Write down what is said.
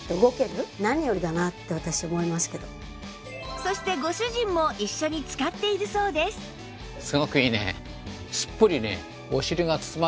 そしてご主人も一緒に使っているそうです